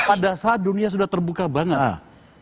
pada saat dunia sudah terbuka banget